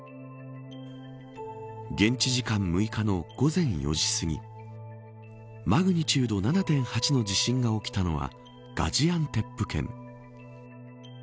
現地時間６日の午前４時すぎマグニチュード７．８の地震が起きたのはガジアンテップ県。